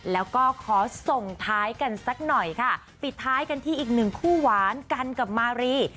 แล้วก็ขอส่งท้ายกันสักหน่อยค่ะปิดท้ายกันที่อีกหนึ่งคู่หวานกันกับมารี